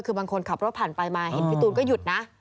คือบางคนขับรถผ่านไปมาเห็นพี่ตูนก็หยุดนะ